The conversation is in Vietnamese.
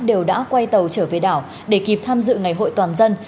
đều đã quay tàu trở về đảo để kịp tham dự ngày hội toàn dân